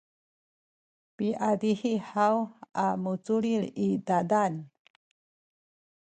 piazihi haw a muculil i zazan